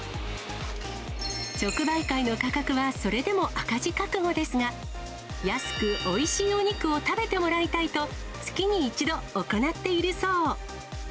直売会の価格はそれでも赤字覚悟ですが、安くおいしいお肉を食べてもらいたいと、月に１度、行っているそう。